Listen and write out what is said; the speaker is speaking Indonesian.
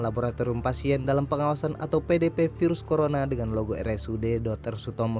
laboratorium pasien dalam pengawasan atau pdp virus corona dengan logo rsud dr sutomo